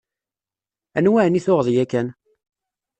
Anwa εni tuɣeḍ yakan?